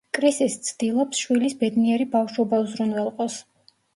კრისი სცდილობს შვილის ბედნიერი ბავშვობა უზრუნველყოს.